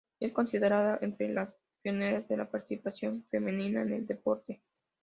Es considerada entre las pioneras de la participación femenina en el deporte.